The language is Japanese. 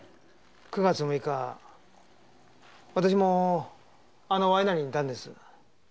９月６日私もあのワイナリーにいたんです。